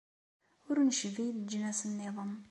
Ur necbi leǧnas nniḍen.